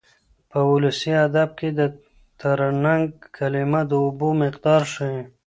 په ولسي ادب کې د ترنګ کلمه د اوبو مقدار ښيي.